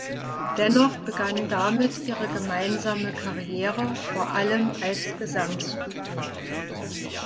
Dennoch begann damit ihre gemeinsame Karriere, vor allem als Gesangsduo.